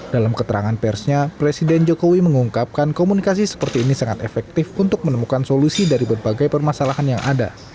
dalam keterangan persnya presiden jokowi mengungkapkan komunikasi seperti ini sangat efektif untuk menemukan solusi dari berbagai permasalahan yang ada